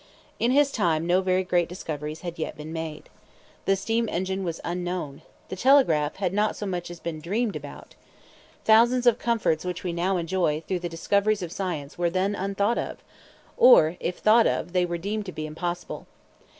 In his time no very great discoveries had yet been made. The steam engine was unknown. The telegraph had not so much as been dreamed about. Thousands of comforts which we now enjoy through the discoveries of science were then unthought of; or if thought of, they were deemed to be impossible.